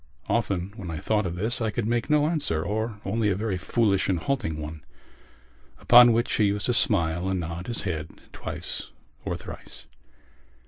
Often when I thought of this I could make no answer or only a very foolish and halting one upon which he used to smile and nod his head twice or thrice.